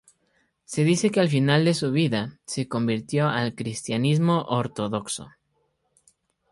Se dice que al final de su vida se convirtió al cristianismo ortodoxo.